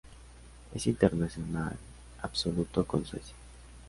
Es internacional absoluto con Suecia.